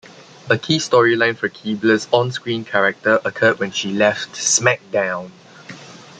A key storyline for Keibler's on-screen character occurred when she left SmackDown!